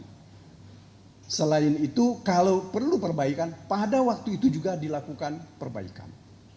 nah selain itu kalau perlu perbaikan pada waktu itu juga dilakukan perbaikan